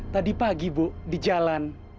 tadi pagi bu di jalan